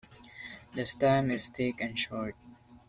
The stem is thick and short.